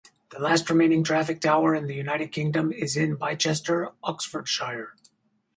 The last remaining traffic tower in the United Kingdom is in Bicester, Oxfordshire.